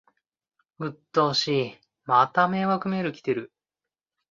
うっとうしい、また迷惑メール来てる